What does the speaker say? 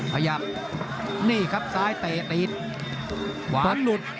ขยับนี่ครับซ้ายเตะซักตังแต่ลุด